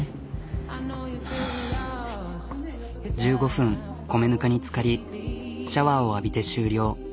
１５分米ぬかにつかりシャワーを浴びて終了。